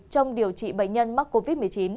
trong điều trị bệnh nhân mắc covid một mươi chín